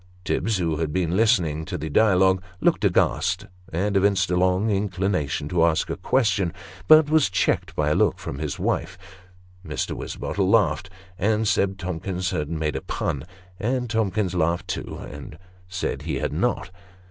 Tibbs, who had been listening to the dialogue, looked aghast, and evinced a strong inclination to ask a question, but was checked by a look from his wife. Mr. Wisbottle laughed, and said Tomkins had made a pun ; and Tomkins laughed too, and said he had not.